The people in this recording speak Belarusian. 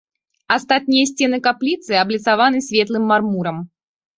Астатнія сцены капліцы абліцаваны светлым мармурам.